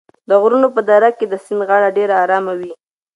د غرونو په درو کې د سیند غاړه ډېره ارامه وي.